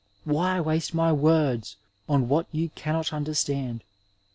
Why waste my words on what you cannot understand.